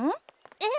えっ。